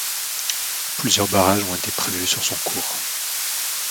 Plusieurs barrages ont été prévus sur son cours.